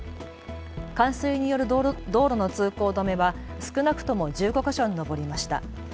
冠水による道路の通行止めは少なくとも１５か所に上りました。